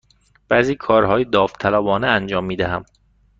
بعضی کارهای داوطلبانه انجام می دهم.